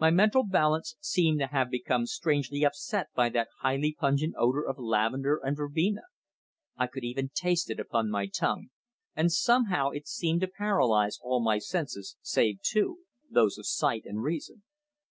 My mental balance seemed to have become strangely upset by that highly pungent odour of lavender and verbena. I could even taste it upon my tongue, and somehow it seemed to paralyse all my senses save two, those of sight and reason.